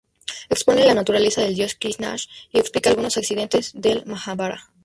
Expone la naturaleza del dios Krishná y explica algunos incidentes del Majábharata.